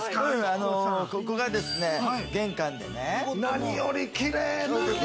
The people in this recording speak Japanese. ここがですね、玄関でね。